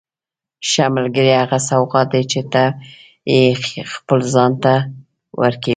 ښه ملګری هغه سوغات دی چې ته یې خپل ځان ته ورکوې.